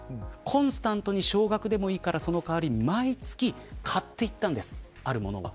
コンスタントに少額でもいいからそのかわり毎月、買っていったんです。